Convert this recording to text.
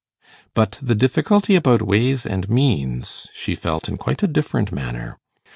But the difficulty about ways and means she felt in quite a different manner.